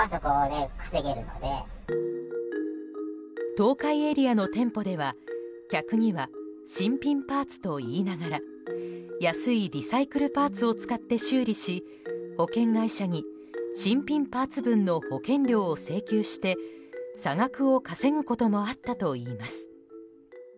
東海エリアの店舗では客には新品パーツと言いながら安いリサイクルパーツを使って修理し保険会社に新品パーツ分の保険料を請求して差額を稼ぐこともあったといいます。